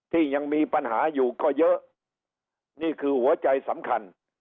ที่ยังมีปัญหาอยู่ก็เยอะนี่คือหัวใจสำคัญ